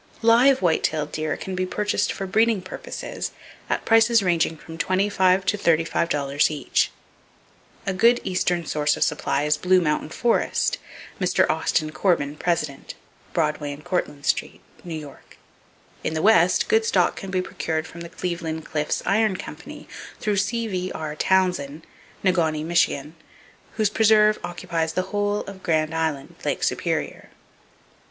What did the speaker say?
Live white tailed deer can be purchased for breeding purposes at prices ranging from $25 to $35 each. A good eastern source of supply is Blue Mountain Forest, Mr. Austin Corbin, president (Broadway and Cortlandt St., New York). In the West, good stock can be procured from the Cleveland Cliffs Iron Company, through C.V.R. Townsend, Negaunee, Mich., whose preserve occupies the whole of Grand Island, Lake Superior.